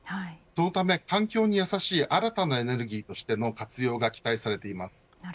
そのため、環境にやさしい新たなエネルギーとしての活用が期待されています。